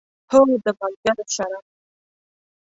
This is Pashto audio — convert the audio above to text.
هو، د ملګرو سره